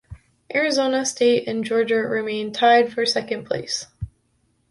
Arizona State and Georgia remained tied for second place.